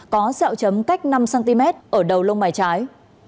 có xeo chấm cách năm cm ở đầu lông mày trái